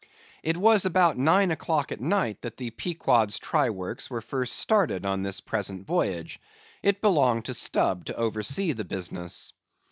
It was about nine o'clock at night that the Pequod's try works were first started on this present voyage. It belonged to Stubb to oversee the business.